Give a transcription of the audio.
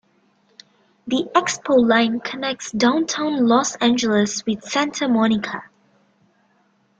The Expo Line connects Downtown Los Angeles with Santa Monica.